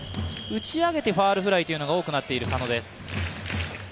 打ち上げてファウルフライが多くなっている佐野です。